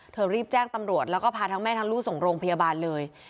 รีบแจ้งตำรวจแล้วก็พาทั้งแม่ทั้งลูกส่งโรงพยาบาลเลย